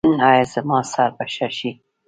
ایا زما سر به ښه شي؟